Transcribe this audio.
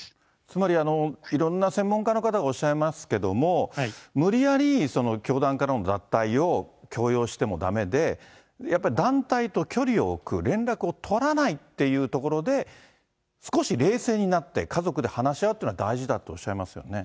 つまり、いろんな専門家の方がおっしゃいますけども、無理やり教団からの脱退を強要してもだめで、やっぱり団体と距離を置く、連絡を取らないっていうところで、少し冷静になって、家族で話し合うというのは大事だとおっしゃいますよね。